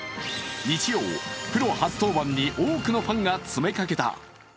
日曜、プロ初登板に多くのファンが詰めかけた。